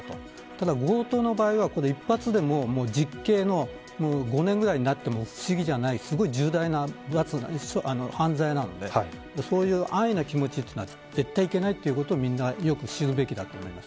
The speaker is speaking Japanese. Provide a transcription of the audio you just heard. ただ、強盗の場合は一発でも実刑の５年ぐらいになっても不思議じゃないすごく重大な犯罪なのでそういう安易な気持ちは絶対にいけないということをみんなよく知るべきだと思います。